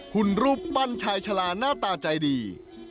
คุณรูปปั้นชายชาลาหน้าตาใจดี